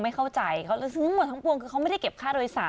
ไม่เข้าใจทั้งหมดทั้งปวงคือเขาไม่ได้เก็บค่าโดยสาร